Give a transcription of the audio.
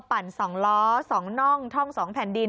ปั่นสองล้อสองน่องท่องสองแผ่นดิน